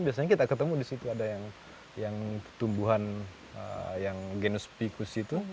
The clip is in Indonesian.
biasanya kita ketemu di situ ada yang tumbuhan yang genus pikus itu